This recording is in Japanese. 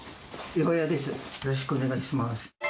よろしくお願いします